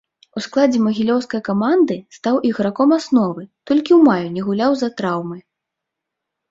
У складзе магілёўскай каманды стаў іграком асновы, толькі ў маі не гуляў з-за траўмы.